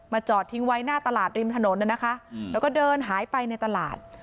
จอดทิ้งไว้หน้าตลาดริมถนนน่ะนะคะแล้วก็เดินหายไปในตลาด